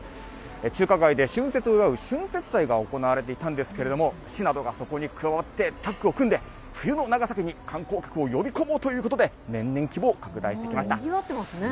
中華街で春節を祝う、春節祭が行われていたんですけれども、市などがそこに加わって、タッグを組んで、冬の長崎に観光客を呼び込もうということで、年々、にぎわってますね。